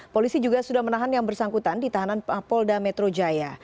polisi juga sudah menahan yang bersangkutan di tahanan polda metro jaya